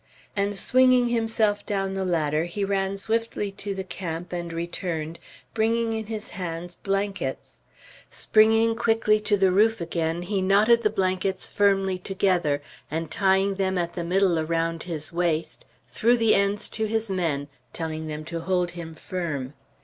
And swinging himself down the ladder, he ran swiftly to the camp, and returned, bringing in his hands blankets. Springing quickly to the roof again, he knotted the blankets firmly together, and tying them at the middle around his waist, threw the ends to his men, telling them to hold him firm.